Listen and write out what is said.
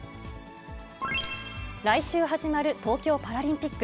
来週始まる東京パラリンピック。